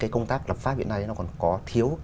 công tác lập pháp hiện nay nó còn có thiếu